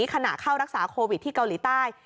ขณะเข้ารักษาโควิดที่เกาหลีใต้